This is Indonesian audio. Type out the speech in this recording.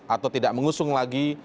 atau tidak mengusung lagi